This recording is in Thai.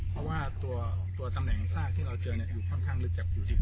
เพราะว่าตัวตำแหน่งซากที่เราเจอยังค่อนข้างลึกจากอยู่ดิน